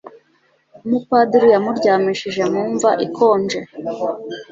umupadiri yamuryamishije mu mva ikonje